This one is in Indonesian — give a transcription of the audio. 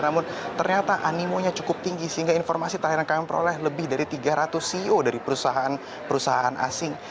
namun ternyata animonya cukup tinggi sehingga informasi terakhir yang kami peroleh lebih dari tiga ratus ceo dari perusahaan perusahaan asing